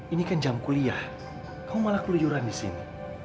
ini kan jam kuliah kamu malah keluyuran di sini